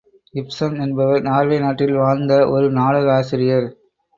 இப்சன் என்பவர் நார்வே நாட்டில் வாழ்ந்த ஒரு நாடக ஆசிரியர்.